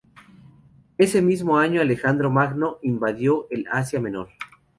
Ese mismo año Alejandro Magno invadió el Asia Menor.